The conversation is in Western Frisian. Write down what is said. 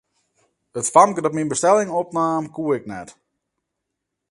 It famke dat myn bestelling opnaam, koe ik net.